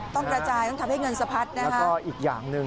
ต้องกระจายต้องทำให้เงินสะพัดนะแล้วก็อีกอย่างหนึ่ง